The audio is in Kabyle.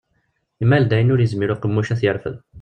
Yemmal-d ayen ur yezmir uqemmuc ad t-yerfed.